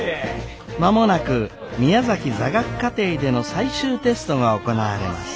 間もなく宮崎座学課程での最終テストが行われます。